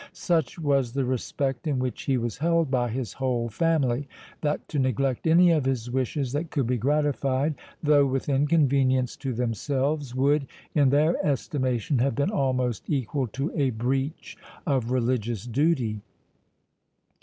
Such was the respect in which he was held by his whole family, that to neglect any of his wishes that could be gratified, though with inconvenience to themselves, would, in their estimation, have been almost equal to a breach of religious duty.